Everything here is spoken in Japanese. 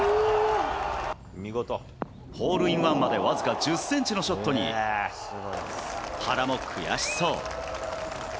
ホールインワンまで僅か１０センチのショットに、原も悔しそう。